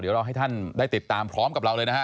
เดี๋ยวเราให้ท่านได้ติดตามพร้อมกับเราเลยนะฮะ